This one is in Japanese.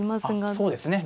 あっそうですね